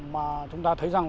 mà chúng ta thấy rằng